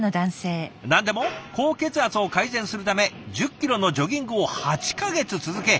何でも高血圧を改善するため１０キロのジョギングを８か月続け